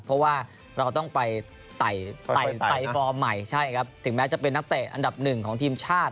เพราะว่าเราต้องไปไต่ฟอร์มใหม่ใช่ครับถึงแม้จะเป็นนักเตะอันดับหนึ่งของทีมชาติ